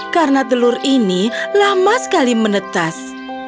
karena telur ini lama sekali menetas